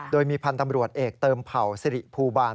โดยมีพันธ์ตำรวจเอกเติมเผ่าสิริภูบาล